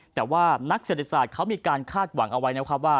แต่ว่านักเศรษฐศาสตร์เขามีการคาดหวังเอาไว้นะครับว่า